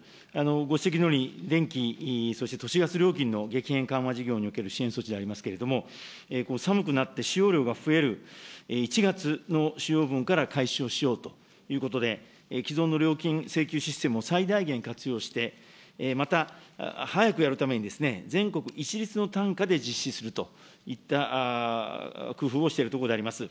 ご指摘のように電気、そして都市ガス料金の激変緩和措置に関する支援措置でありますけれども、寒くなって、使用量が増える１月の使用分から開始をしようということで、既存の料金請求システムを最大限活用して、また早くやるために、全国一律の単価で実施するといった工夫をしているところであります。